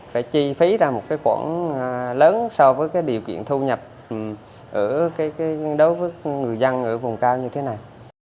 phải chi phí ra một cái quản lớn so với cái điều kiện thu nhập đối với người dân ở vùng cao như thế này